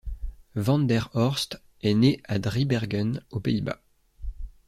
Van der Horst est né à Driebergen, aux Pays-Bas.